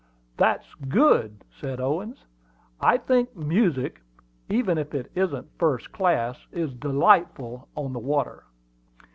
"That's good," said Owen. "I think music, even if it isn't first class, is delightful on the water."